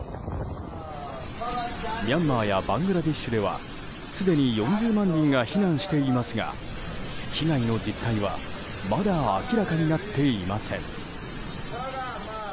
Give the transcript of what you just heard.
ミャンマーやバングラデシュではすでに４０万人が避難してますが被害の実態はまだ明らかになっていません。